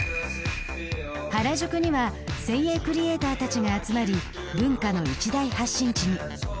原宿には先鋭クリエーターたちが集まり文化の一大発信地に。